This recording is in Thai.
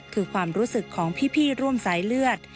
คือความรู้สึกของพี่ร่วมสายเลือด